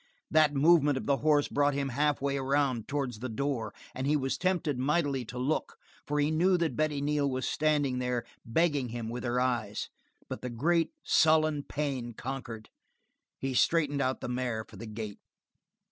That movement of the horse brought him half way around towards the door and he was tempted mightily to look, for he knew that Betty Neal was standing there, begging him with her eyes. But the great, sullen pain conquered; he straightened out the mare for the gate.